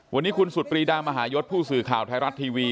วันนี้คุณสุดปรีดามหายศผู้สื่อข่าวไทยรัฐทีวี